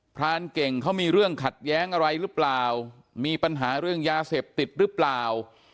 รานเก่งเขามีเรื่องขัดแย้งอะไรหรือเปล่ามีปัญหาเรื่องยาเสพติดหรือเปล่า